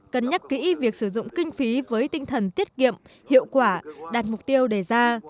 cân nhắc kỹ việc sử dụng kinh phí với tinh thần tiết kiệm hiệu quả đạt mục tiêu đề ra